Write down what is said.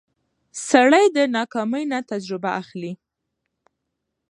سړی د ناکامۍ نه تجربه اخلي